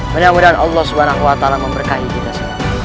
menyamudah allah swt memberkati kita semua